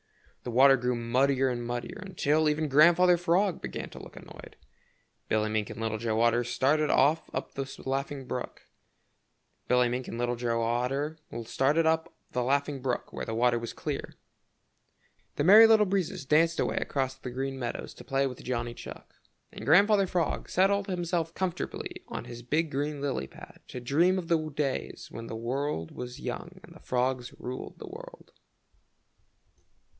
The water grew muddier and muddier, until even Grandfather Frog began to look annoyed. Billy Mink and Little Joe Otter started off up the Laughing Brook, where the water was clear. The Merry Little Breezes danced away across the Green Meadows to play with Johnny Chuck, and Grandfather Frog settled himself comfortably on his big green lily pad to dream of the days when the world was young and the frogs ruled the world.